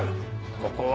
ここは。